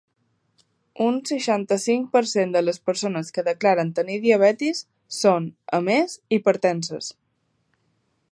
Un seixanta-cinc per cent de les persones que declaren tenir diabetis són, a més, hipertenses.